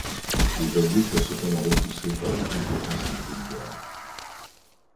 Les Alliés furent cependant repoussés par une contre-offensive bulgare.